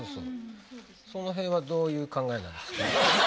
その辺はどういう考えなんですか？